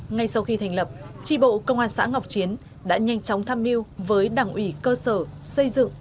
ngay sau khi thành lập tri bộ công an xã ngọc chiến đã nhanh chóng tham mưu với đảng ủy cơ sở xây dựng